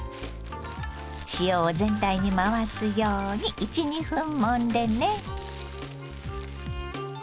塩を全体に回すように１２分もんでね。